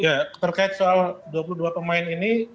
ya terkait soal dua puluh dua pemain ini